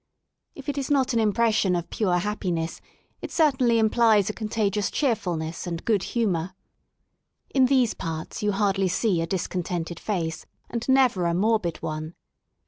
If it is not an impression of pure happiness it certainly implies a contagious cheerfulness and good humour. 53 THE SOUL OF LONDON In these parts you hardly see a discontented face, and never a morbid one.